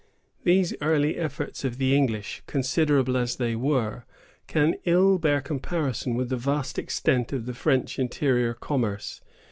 These early efforts of the English, considerable as they were, can ill bear comparison with the vast extent of the French interior commerce.